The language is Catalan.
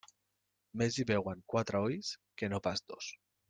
Més hi veuen quatre ulls que no pas dos.